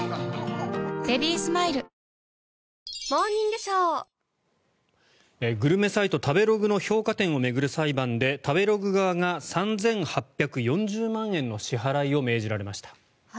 グルメサイト、食べログの評価点を巡る裁判で食べログ側が３８４０万円の支払いを命じられました。